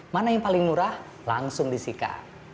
mana yang paling murah langsung disika